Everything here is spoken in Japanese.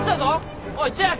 おい千秋！